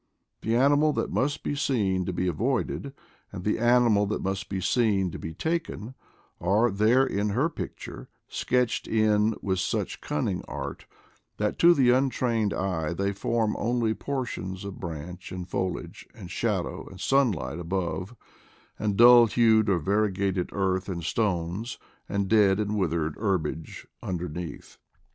The animal that must be seen to be avoided, and the animal that must be seen to be taken, are there in her picture, sketched in with such cunning art that to the uninstructed eye they form only por tions of branch and foliage and shadow and sun light above, and dull hued or variegated earth and stones and dead and withering herbage under neath.